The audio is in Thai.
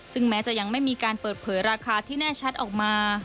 ซึ่งแม้จะยังไม่มีการเปิดเผยราคาที่แน่ชัดออกมา